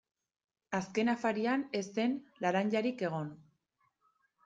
Azken afarian ez zen laranjarik egon.